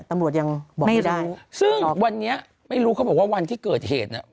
ตำรวจยังบอกไม่รู้ซึ่งวันนี้ไม่รู้เขาบอกว่าวันที่เกิดเหตุเนี้ย